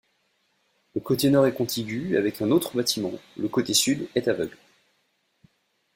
Le côté nord est contigu avec un autre bâtiment, le côté sud est aveugle.